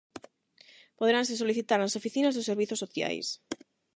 Poderanse solicitar nas oficinas dos Servizos Sociais.